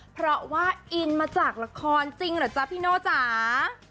เพราะว่าอินมาจากละครจริงเหรอจ๊ะพี่โน่จ๋า